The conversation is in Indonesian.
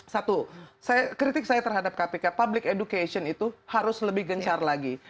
satu kritik saya terhadap kpk public education itu harus lebih gencar lagi